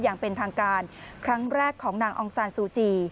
อย่างเป็นทางการครั้งแรกของนางองซานซูจี